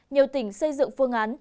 nhiều tỉnh xây dựng phương án